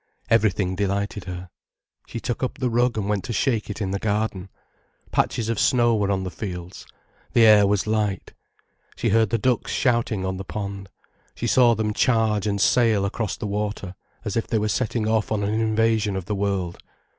Everything delighted her. She took up the rug and went to shake it in the garden. Patches of snow were on the fields, the air was light. She heard the ducks shouting on the pond, she saw them charge and sail across the water as if they were setting off on an invasion of the world.